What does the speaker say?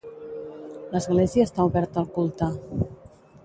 L'església està oberta al culte.